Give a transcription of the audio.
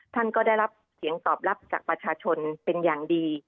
ท่านก็ได้รับเสียงตอบรับจากประชาชนเป็นอย่างดี